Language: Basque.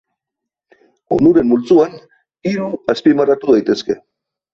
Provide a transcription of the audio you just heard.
Onuren multzoan hiru azpimarratu daitezke.